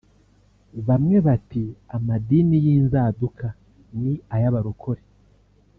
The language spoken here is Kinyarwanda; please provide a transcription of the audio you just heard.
Bamwe bati amadini y’inzaduka ni ay’abarokore